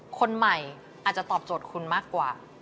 คนใหม่อาจจะตอบโจทย์คุณมากกว่า